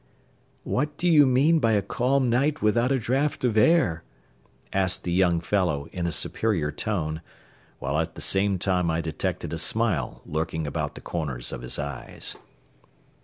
"What do you mean by a ca'm night without a draft of air?" asked the young fellow, in a superior tone, while at the same time I detected a smile lurking about the corners of his eyes.